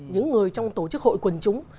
những người trong tổ chức hội quần chúng